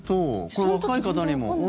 これ、若い方にも。